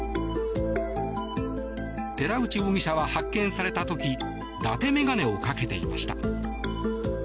寺内容疑者は、発見された時だて眼鏡をかけていました。